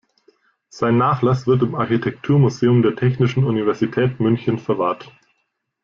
Sein Nachlass wird im Architekturmuseum der Technischen Universität München verwahrt.